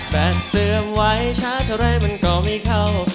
แบ่งเสื่อมไว้ช้าเท่าไรมันก็ไม่เข้า